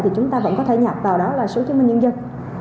thì chúng ta vẫn có thể nhập vào đó là số chứng minh nhân dân